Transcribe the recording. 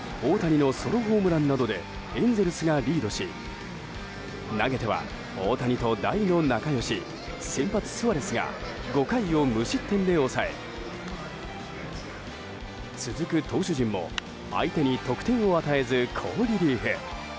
試合は大谷のソロホームランなどでエンゼルスがリードし投げては、大谷と大の仲良し先発スアレスが５回を無失点で抑え続く投手陣も相手に得点を与えず好リリーフ。